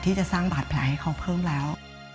ที่จะสร้างบาดแผลให้เขาเพิ่มแล้ว